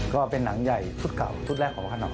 ก็เป็นหนังใหญ่ชุดเก่าชุดแรกของอาคารออก